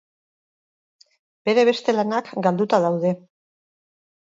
Bere beste lanak galduta daude.